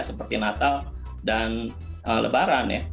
seperti natal dan lebaran ya